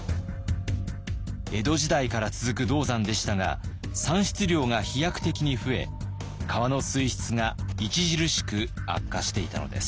江戸時代から続く銅山でしたが産出量が飛躍的に増え川の水質が著しく悪化していたのです。